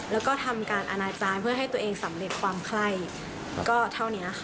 แล้วก็ทำการอนาจารย์เพื่อให้ตัวเองสำเร็จความไข้ก็เท่านี้ค่ะ